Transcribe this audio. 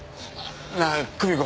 なあ久美子